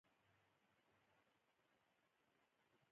کله چې امام خطبه وايي اوريدونکي به څه ډول کيني